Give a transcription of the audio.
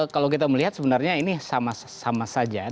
kalau kita melihat sebenarnya ini sama saja